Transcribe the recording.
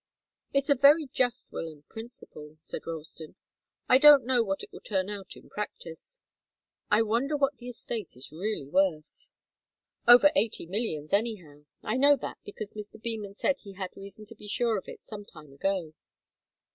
"It's a very just will in principle," said Ralston. "I don't know what it will turn out in practice. I wonder what the estate is really worth." "Over eighty millions, anyhow. I know that, because Mr. Beman said he had reason to be sure of it some time ago."